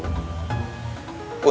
sesuai dengan perintah gusti prabu